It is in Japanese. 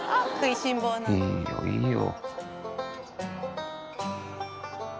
いいよいいよ。